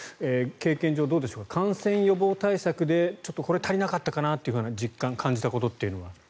経験上どうでしょう感染予防対策でこれ足りなかったという実感を感じたことは。